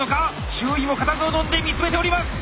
周囲も固唾をのんで見つめております！